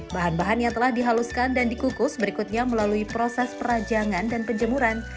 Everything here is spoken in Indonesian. bahan bahan yang telah dihaluskan dan dikukus berikutnya melalui proses perajangan dan penjemuran